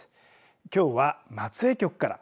きょうは松江局から。